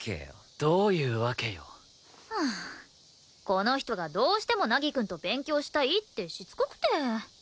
この人がどうしても凪くんと勉強したいってしつこくて。